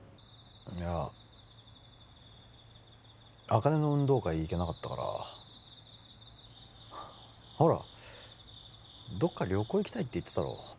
いや茜の運動会行けなかったからほらどっか旅行行きたいって言ってたろ？